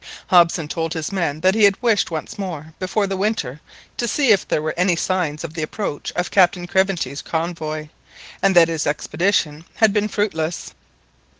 Hobson told his men that he had wished once more before the winter to see if there were any signs of the approach of Captain Craventy's convoy, and that his expedition had been fruitless.